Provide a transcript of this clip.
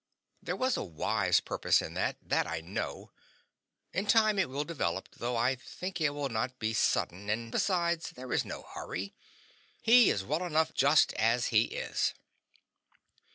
There was a wise purpose in it, THAT I know. In time it will develop, though I think it will not be sudden; and besides, there is no hurry; he is well enough just as he is.